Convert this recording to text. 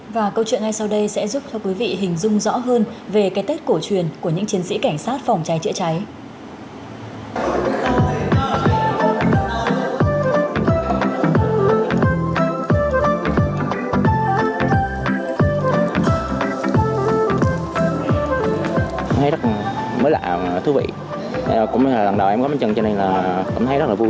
và câu chuyện ngay sau đây sẽ giúp cho quý vị hình dung rõ hơn về cái tết cổ truyền của những chiến sĩ cảnh sát phòng cháy chữa cháy